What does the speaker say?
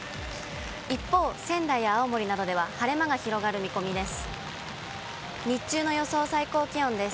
一方、仙台や青森などでは晴れ間が広がる見込みです。